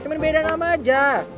cuman beda nama aja